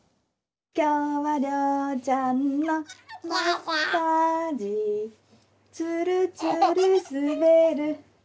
「きょうはりょうちゃんのマッサージ」「つるつるすべる」